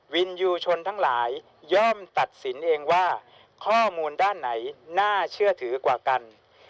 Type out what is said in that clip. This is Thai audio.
วินยูชนทั้งหลายย่อมตัดสินเองว่าข้อมูลด้านไหนน่าเชื่อถือกว่ากัน